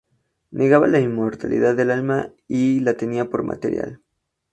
Negaba la inmortalidad del alma y la tenía por material.